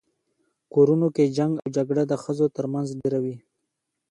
په کورونو کي جنګ او جګړه د ښځو تر منځ ډیره وي